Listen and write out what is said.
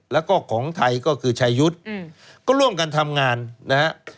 แล้วก็ของไทยก็คือชายุทธ์ก็ร่วมกันทำงานนะฮะ